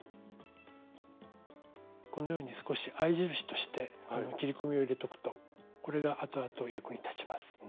このように少し合い印として切り込みを入れとくとこれが後々役に立ちます。